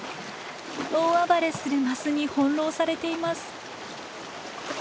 大暴れするマスに翻弄されています。